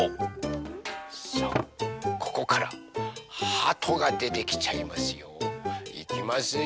さあここからはとがでてきちゃいますよ。いきますよ。